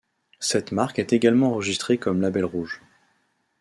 Cette marque est également enregistrée comme Label Rouge.